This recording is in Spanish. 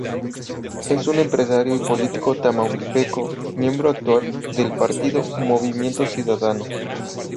Es un empresario y político tamaulipeco, miembro actual del partido Movimiento Ciudadano.